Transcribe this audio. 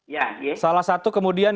ya salah satu kemudian